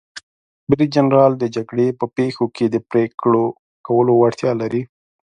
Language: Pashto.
برید جنرال د جګړې په پیښو کې د پریکړو کولو وړتیا لري.